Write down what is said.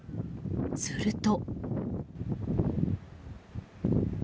すると。